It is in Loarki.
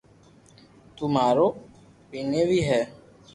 تو مارو ٻينيوي ھي